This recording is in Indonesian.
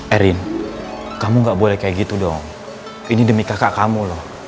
erin kamu gak boleh kayak gitu dong ini demi kakak kamu loh